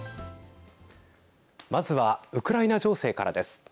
まずはウクライナ情勢からです。